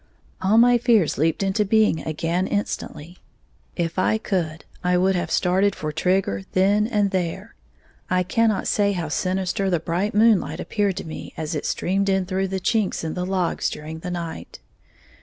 All my fears leaped into being again instantly. If I could, I would have started for Trigger then and there. I cannot say how sinister the bright moonlight appeared to me as it streamed in through chinks in the logs during the night.